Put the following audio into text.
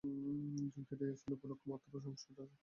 যুক্তিটা এ স্থলে উপলক্ষ মাত্র, সংস্কারটাই আসল।